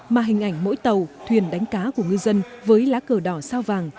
mà hình ảnh mỗi tàu thuyền đánh cá của ngư dân với lá cờ đỏ sao vàng